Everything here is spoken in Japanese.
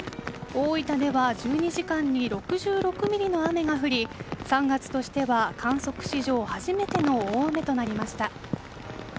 大分では１２時間に６６ミリの雨が降り３月としては観測史上初めての大雨となりました。